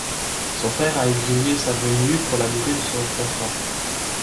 Son frère a exigé sa venue pour la durée de son contrat.